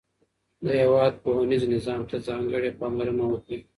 د هيواد پوهنيز نظام ته ځانګړې پاملرنه وکړئ.